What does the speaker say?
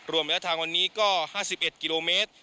ระยะทางวันนี้ก็๕๑กิโลเมตร